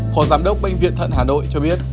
phó giám đốc bệnh viện thận hà nội cho biết